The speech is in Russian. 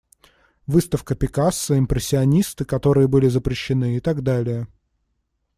Выставка Пикассо, импрессионисты которые были запрещены, и так далее.